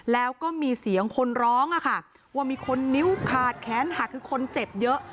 แล้วก็มีเสียงคนร้องว่ามีคนนิ้วขาดแขนหักคือคนเจ็บเยอะ